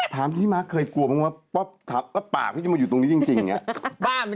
ถามพี่มาร์คเคยกลัวบ้างว่าป๊อปถามว่าปากพี่จะมาอยู่ตรงนี้จริงอย่างนี้